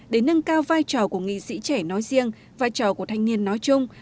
để nâng cao vai trò của nghị sĩ trẻ nói riêng vai trò của thanh niên nói chung